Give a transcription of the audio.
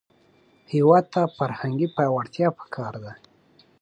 هېواد ته فرهنګي پیاوړتیا پکار ده